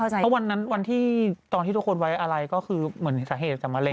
เพราะวันนั้นวันที่ตอนที่ทุกคนไว้อะไรก็คือเหมือนสาเหตุจากมะเร็